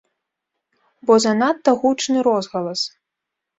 Бо занадта гучны розгалас.